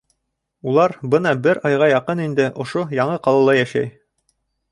Улар бына бер айға яҡын инде ошо яңы ҡалала йәшәй.